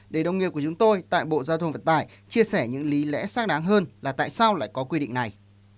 để đồng nghiệp của chúng tôi tại bộ giao thông vận tải chia sẻ những lý lẽ xác đáng hơn là tại sao lại có quy định này